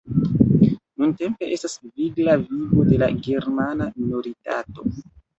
Nuntempe estas vigla vivo de la germana minoritato.